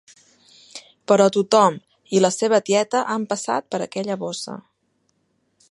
Però tothom i la seva tieta han passat per aquella bossa.